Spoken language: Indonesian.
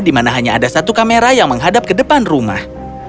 di mana hanya ada satu kamera yang menghadap ke depan rumah